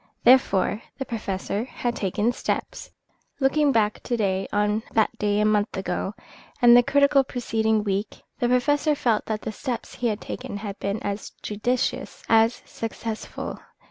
Therefore, the Professor had taken steps. Looking back to day on that day a month ago, and the critical preceding week, the Professor felt that the steps he had taken had been as judicious as successful.